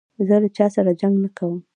زه له چا سره جنګ نه کوم.